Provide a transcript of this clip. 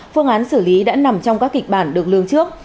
phương án xử lý đã nằm trong các kịch bản được lương trước